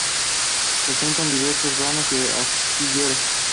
Presenta diversos vanos y aspilleras.